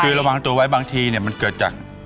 คือระวังตัวไว้บางทีเนี่ยมันเกิดจาก